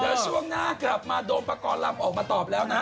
เดี๋ยวช่วงหน้ากลับมาโดมประกอบลำออกมาตอบแล้วนะ